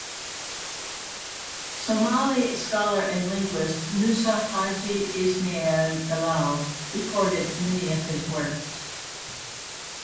Somali scholar and linguist Musa Haji Ismail Galal recorded many of his works.